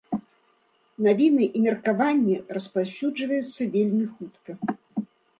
Навіны і меркаванні распаўсюджваюцца вельмі хутка.